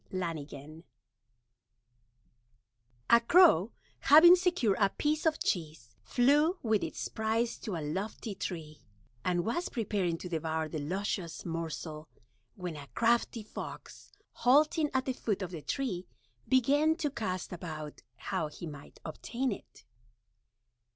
LANIGAN THE FOX AND THE CROW A crow, having secured a Piece of Cheese, flew with its Prize to a lofty Tree, and was preparing to devour the Luscious Morsel, when a crafty Fox, halting at the foot of the Tree, began to cast about how he might obtain it.